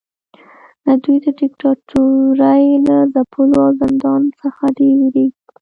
دوی د دیکتاتورۍ له ځپلو او زندان څخه ډیر ویریږي.